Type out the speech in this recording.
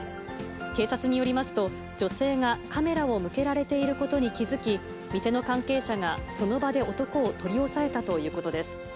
警察によりますと、女性がカメラを向けられていることに気付き、店の関係者がその場で男を取り押さえたということです。